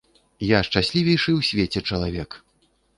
Я шчаслівейшы ў свеце чалавек!